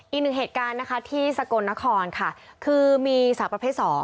อีกหนึ่งเหตุการณ์นะคะที่สกลนครค่ะคือมีสาวประเภท๒